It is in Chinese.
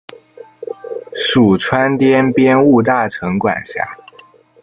属川滇边务大臣管辖。